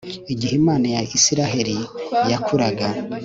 Igihe Imana ya Isiraheli yakuraga